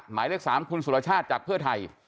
หมายเลข๓คุณสุรชาติจากเพื่อไทย